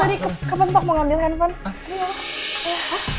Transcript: gue tadi ke pentok mau ambil handphone